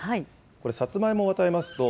これ、サツマイモを与えますと、